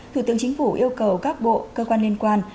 thủ tướng chính phủ yêu cầu các bộ cơ quan liên quan